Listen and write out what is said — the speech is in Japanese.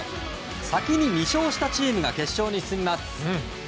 先に２勝したチームが決勝に進みます。